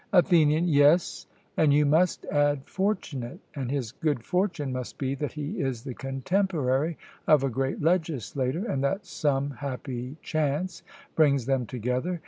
ATHENIAN: Yes; and you must add fortunate; and his good fortune must be that he is the contemporary of a great legislator, and that some happy chance brings them together.